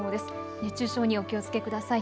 熱中症にお気をつけください。